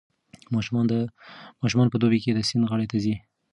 ماشومان په دوبي کې د سیند غاړې ته ځي.